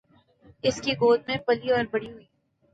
اسی کی گود میں پلی اور بڑی ہوئی۔